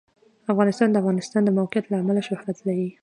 افغانستان د د افغانستان د موقعیت له امله شهرت لري.